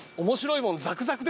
「ザクザク」